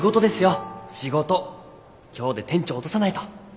今日で店長落とさないと。